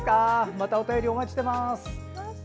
またお便りお待ちしております。